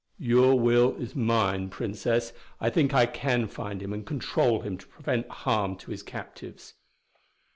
"Your will is mine, Princess. I think I can find him and control him to prevent harm to his captives."